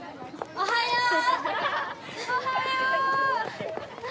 ・おはよう。